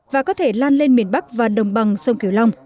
và có thể lan lên miền bắc và đồng bằng sông kiều long